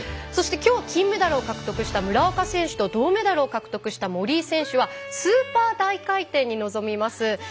そしてきょう金メダルを獲得した村岡桃佳選手と銅メダルを獲得した森井選手はスーパー大回転に臨みます。